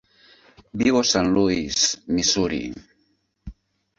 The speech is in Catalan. Viu a Saint Louis (Missouri).